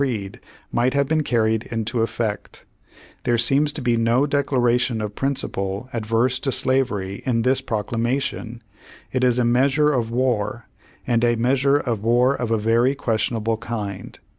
Page One Himdred twenty'six might have been carried into effect There seems to be no declaration of principle adverse to slavery in this proclamation. It is a measure of war, and a measure of war of a very questionable kind.